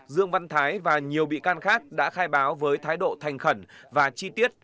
dương văn thái và nhiều bị can khác đã khai báo với thái độ thành khẩn và chi tiết